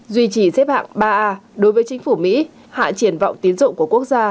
duy trì xếp hạng ba a đối với chính phủ mỹ hạ triển vọng tiến dụng của quốc gia